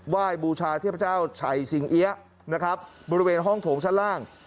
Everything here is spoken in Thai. ว่ายบูชาเทพเจ้าชัยสิงเหี้ยบริเวณห้องโถงชั้นล่าง